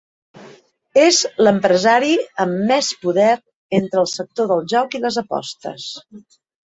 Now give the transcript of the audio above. És l’empresari amb més poder en el sector del joc i les apostes.